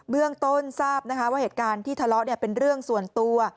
เรื่องต้นทราบนะคะว่าเหตุการณ์ที่ทะเลาะเป็นเรื่องส่วนตัว